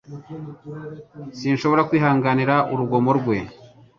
Sinshobora kwihanganira urugomo rwe